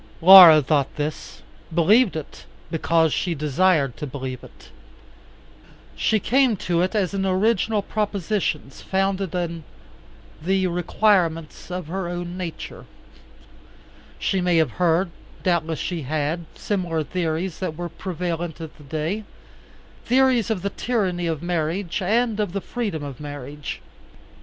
Laura thought this, believed it; because she desired to believe it. She came to it as an original proposition founded on the requirements of her own nature. She may have heard, doubtless she had, similar theories that were prevalent at that day, theories of the tyranny of marriage and of the freedom of marriage.